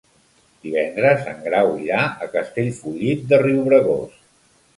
Divendres en Grau irà a Castellfollit de Riubregós.